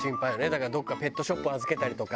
だからどこかペットショップ預けたりとか。